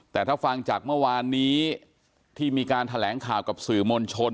แต่ถ้าฟังจากเมื่อวานนี้ที่มีการแถลงข่าวกับสื่อมวลชน